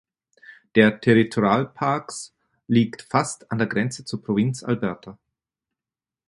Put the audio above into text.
Der Territorial Parks liegt fast an der Grenze zur Provinz Alberta.